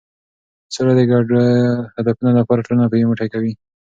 سوله د ګډو هدفونو لپاره ټولنه یو موټی کوي.